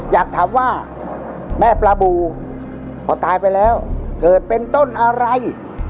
อยากถามว่าแม่ปลาบูพอตายไปแล้วเกิดเป็นต้นอะไร